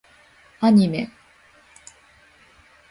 アニメ